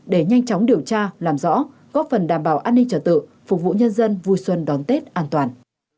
để nhanh chóng điều tra làm rõ góp phần đảm bảo an ninh trả tự phục vụ nhân dân vui xuân đón tết an toàn